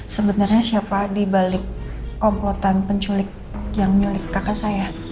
sebenarnya siapa dibalik komplotan penculik yang nyulik kakak saya